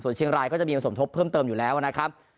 เชียงรายก็จะมีมาสมทบเพิ่มเติมอยู่แล้วนะครับ